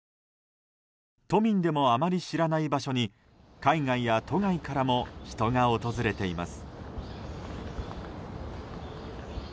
都民でもあまり知らない場所に海外や都外からも人が訪れています。